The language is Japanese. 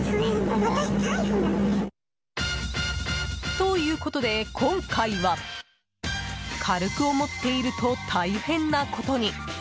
ということで今回は軽く思っていると大変なことに！